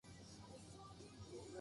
こんにちはさようなら